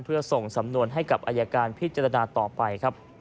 เพื่อส่งสำนวนให้กับอายการพิจารณาต่อไปครับ